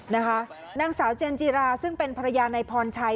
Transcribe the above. นางสาวเจนจิราซึ่งเป็นภรรยานายพรชัย